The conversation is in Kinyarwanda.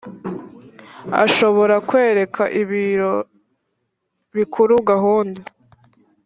ashobora kwereka Ibiro Bikuru gahunda